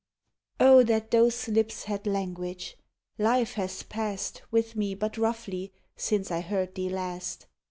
O that those lips had language! Life has passed With me but roughly since I heard thee last.